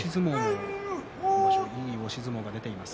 今場所いい押し相撲が出ています。